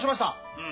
うん。